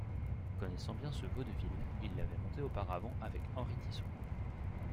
Connaissant bien ce vaudeville, il l'avait monté auparavant avec Henri Tisot.